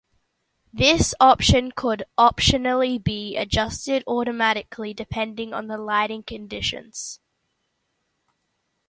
This option could optionally be adjusted automatically depending on the lighting conditions.